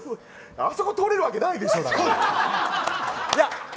あそこ通れるわけないでしょ。